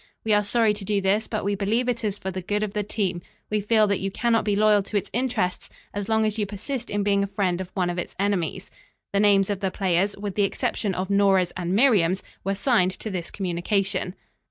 "We are sorry to do this, but we believe it is for the good of the team. We feel that you cannot be loyal to its interests as long as you persist in being a friend of one of its enemies." The names of the players, with the exception of Nora's and Miriam's, were signed to this communication.